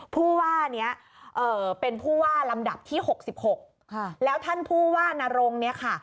ผู้ว่านี้เป็นผู้ว่ารำดับที่หกสิบหกค่ะแล้วท่านผู้ว่านรงค์เนี้ยค่ะ